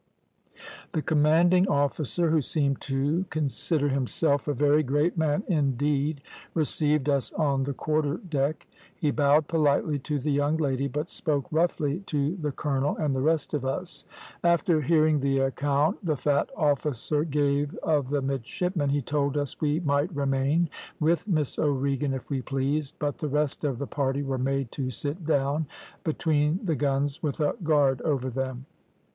"The commanding officer, who seemed to consider himself a very great man indeed, received us on the quarter deck. He bowed politely to the young lady, but spoke roughly to the colonel and the rest of us. After hearing the account the fat officer gave of the midshipmen, he told us we might remain with Miss O'Regan if we pleased, but the rest of the party were made to sit down between the guns with a guard over them.